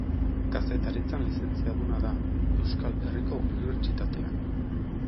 Kazetaritzan lizentziaduna da Euskal Herriko Unibertsitatean.